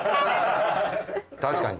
確かに。